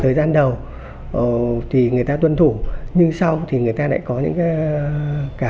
thời gian đầu thì người ta tuân thủ nhưng sau thì người ta lại có những cái gần như kiểu người ta lách luật